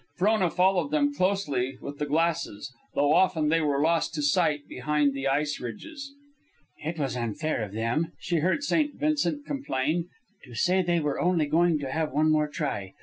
Frona followed them closely with the glasses, though often they were lost to sight behind the ice ridges. "It was unfair of them," she heard St. Vincent complain, "to say they were only going to have one more try.